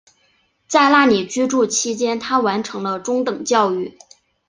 在那里居住期间她完成了中等教育。